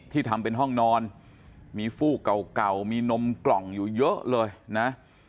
ทำเป็นห้องนอนมีฟูกเก่ามีนมกล่องอยู่เยอะเลยนะ